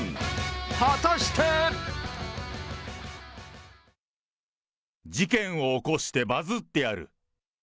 果たして？事件を起こしてバズってやる！